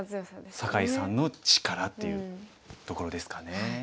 酒井さんの力っていうところですかね。